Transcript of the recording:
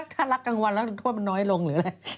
ถ้ารักกลางวันแล้วโทษมันน้อยลงหรืออะไร